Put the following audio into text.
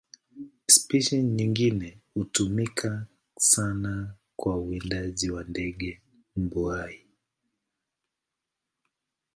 Spishi nyingine hutumika sana kwa uwindaji kwa ndege mbuai.